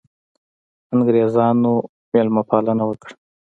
انګرېزانو مېلمه پالنه وکړه.